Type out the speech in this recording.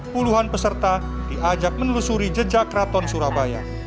puluhan peserta diajak menelusuri jejak keraton surabaya